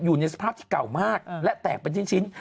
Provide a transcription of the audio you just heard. อยู่ในสภาพที่เก่ามากและแตกเป็นชิ้น